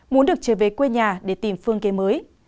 muốn được trở về quê nhà để tìm phương kế mới